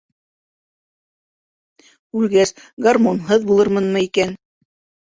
Үлгәс, гармунһыҙ булырмынмы икән?